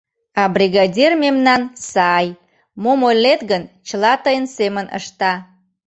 А бригадир мемнан сай, мом ойлет гын, чыла тыйын семын ышта.